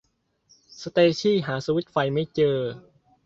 สเตซี่หาสวิตซ์ไฟไม่เจอ